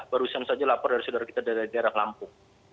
barusan saja lapor dari saudara kita dari daerah lampung